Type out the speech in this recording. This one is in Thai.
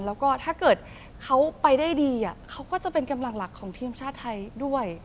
แล้วก็ถ้าเกิดเขาไปได้ดีเขาก็จะเป็นกำลังหลักของทีมชาติไทยด้วย